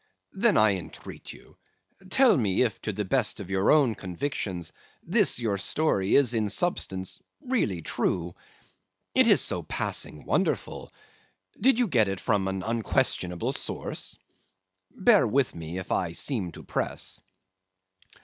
"'Then I entreat you, tell me if to the best of your own convictions, this your story is in substance really true? It is so passing wonderful! Did you get it from an unquestionable source? Bear with me if I seem to press.